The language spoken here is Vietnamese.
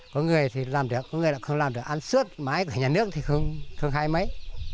có người thì làm được có nghĩa là không làm được ăn suốt máy của nhà nước thì không khai mấy